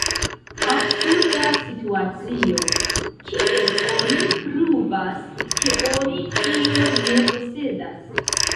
Absurda situacio: kiel oni pruvas, ke oni ion ne posedas?